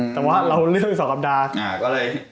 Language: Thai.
แต่ว่าเราเลือก๒คำดาว